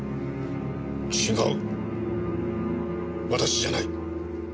違う私じゃない。